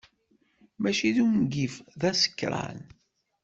Mačči d ungif, d asekṛan.